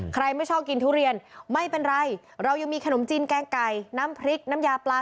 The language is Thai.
ไม่ชอบกินทุเรียนไม่เป็นไรเรายังมีขนมจีนแกงไก่น้ำพริกน้ำยาปลา